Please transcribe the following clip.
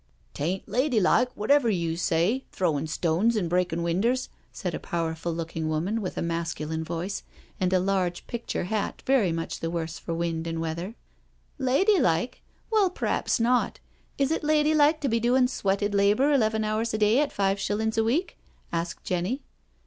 " 'Tain't ladylike wotiver you may say, throwin' stones an' breaking winders," said a powerful looking woman, with a masculine voice, and a large picture hat very much the worse for wind and weather. " Ladylike I Well, perhaps not. Is it ladylike to be doin' sweated labour eleven hours a day at five shillin's a week?" asked Jenny.